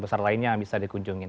besar lainnya yang bisa dikunjungin